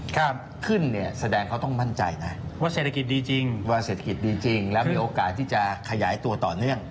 ถ้าขึ้นเนี่ยแสดงเขาต้องมั่นใจนะว่าเศรษฐกิจดีจริงว่าเศรษฐกิจดีจริงแล้วมีโอกาสที่จะขยายตัวต่อเนื่อง